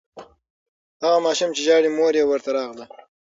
هغه ماشوم چې ژاړي، مور یې ورته راغله.